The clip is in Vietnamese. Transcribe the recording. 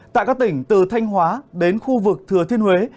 tại các tỉnh từ thanh hóa đến khu vực thừa thiên huế